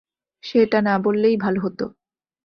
সে এটা না বললেই ভালো হত।